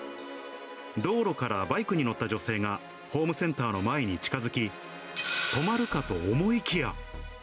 道路からバイクに乗った女性が、ホームセンターの前に近づき、止まるかと思いきや。